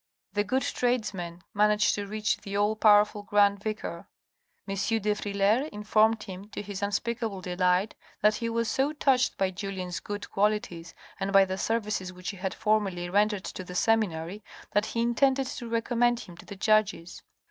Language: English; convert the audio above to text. The good tradesmen managed to reach the all powerful grand vicar. M. de Frilair informed him, to his unspeakable delight, that he was so touched by Julien's good qualities, and by the services which he had formerly rendered to the seminary, that he intended to recommend him to the judges.